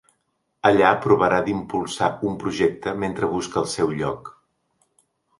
Allà provarà d’impulsar un projecte mentre busca el seu lloc.